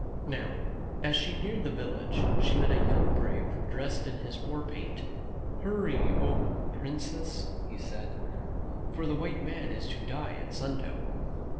Now, as she neared the village, she met a young brave dressed in his war paint. "Hurry, oh Princess," he said, "for the white man is to die at sundown."